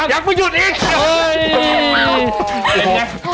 อยากไม่หยุดอีก